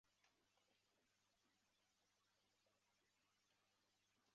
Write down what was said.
任何人不得使为奴隶或奴役;一切形式的奴隶制度和奴隶买卖,均应予以禁止。